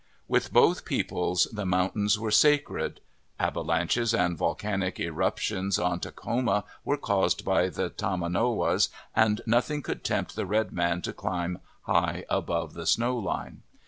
With both peoples the mountains were sacred. Ava lanches and volcanic eruptions on Takhoma were caused by the tomanowos and nothing could tempt the red man to climb high above the snow line.